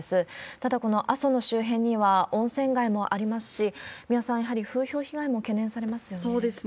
ただ、この阿蘇の周辺には温泉街もありますし、三輪さん、やはり風評被害も懸念されますよね。